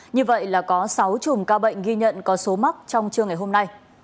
như vậy là có sáu chùm ca bệnh ghi nhận có số mắc trong trưa ngày hôm nay